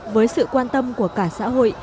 với sự quan tâm của cả xã hội